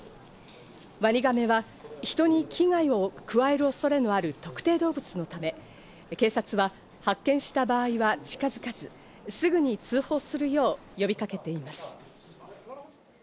ワニガメは人に危害を加える恐れがある特定動物のため警察は発見した場合は近づかず、すぐに通報するよう呼びかけています。